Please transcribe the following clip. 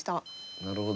なるほど。